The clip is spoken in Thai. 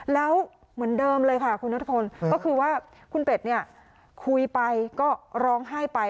แล้วเหมือนเดิมเลยค่ะคุณนัทพลก็คือว่าคุณเป็ดเนี่ยคุยไปก็ร้องไห้ไป